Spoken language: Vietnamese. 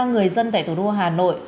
người dân tại thủ đô hà nội